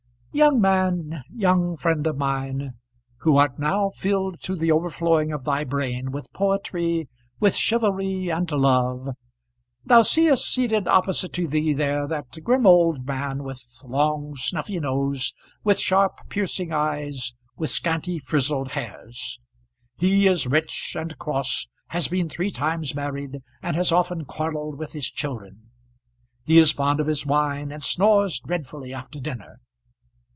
Young man, young friend of mine, who art now filled to the overflowing of thy brain with poetry, with chivalry, and love, thou seest seated opposite to thee there that grim old man, with long snuffy nose, with sharp piercing eyes, with scanty frizzled hairs. He is rich and cross, has been three times married, and has often quarrelled with his children. He is fond of his wine, and snores dreadfully after dinner.